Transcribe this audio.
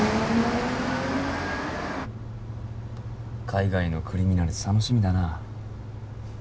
海外のクリミナルズ楽しみだなあ